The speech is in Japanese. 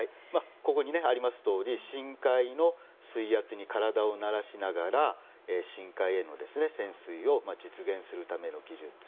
ここにありますとおり深海の水圧に体を慣らしながら深海への潜水を実現するための技術。